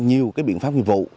nhiều biện pháp nghiệp vụ